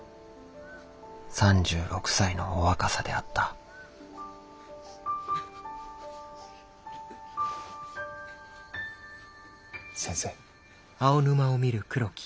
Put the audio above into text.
３６歳のお若さであった先生。